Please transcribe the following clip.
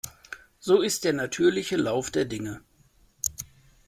So ist der natürliche Lauf der Dinge.